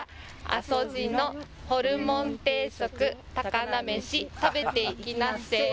「あそ路のホルモン定食たかなめし」「食べていきなっせ」